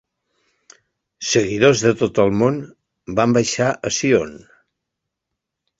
Seguidors de tot el món van baixar a Zion.